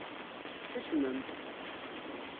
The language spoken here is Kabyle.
Kecmem!